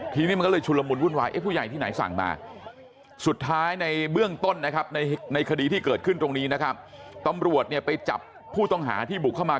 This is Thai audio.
ทีนี้มันก็เลยชุลมุนวุ่นวายเอ๊ะผู้ใหญ่ที่ไหนสั่งมา